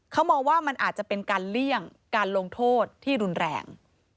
เขามองว่ามันอาจจะเป็นการเลี่ยงการลงโทษที่รุนแรง